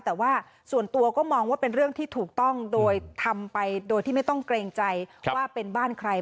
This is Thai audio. แต่ว่าส่วนตัวก็มองว่าเป็นเรื่องที่ถูกต้องโดยทำไปโดยที่ไม่ต้องเกรงใจว่าเป็นบ้านใคร